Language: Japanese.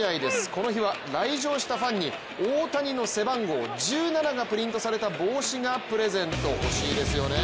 この日は、来場したファンに大谷の背番号１７がプリントされた帽子がプレゼント欲しいですね。